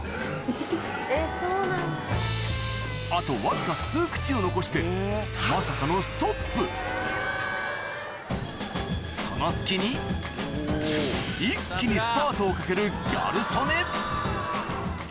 あとわずか数口を残してまさかのその隙に一気にスパートをかけるギャル曽根